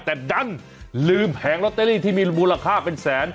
แต่ดันลืมแผงลอตเตอรี่ที่มีมูลค่าเป็นแสน